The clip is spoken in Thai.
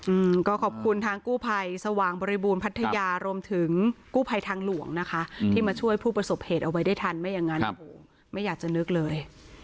อืมก็ขอบคุณทางกู้ภัยสว่างบริบูรณพัทยารวมถึงกู้ภัยทางหลวงนะคะที่มาช่วยผู้ประสบเหตุเอาไว้ได้ทันไม่อย่างนั้นโอ้โหไม่อยากจะนึกเลย